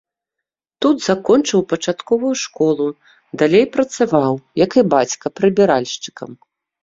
Тут закончыў пачатковую школу, далей працаваў, як і бацька прыбіральшчыкам.